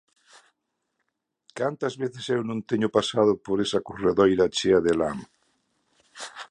Cantas veces eu non teño pasado por esa corredoira chea de lama.